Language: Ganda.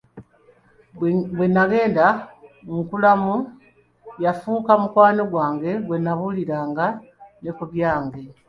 Bwe nnagenda nkulamu yafuuka mukwano gwange gwe nabuuliranga ne ku byange.